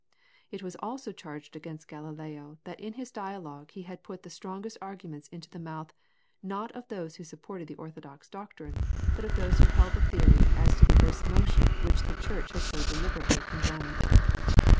It was also charged against Galileo that in his Dialogue he has put the strongest arguments into the mouth, not of those who supported the orthodox doctrine, but of those who held the theory as to the earth's motion which the Church had so deliberately condemned.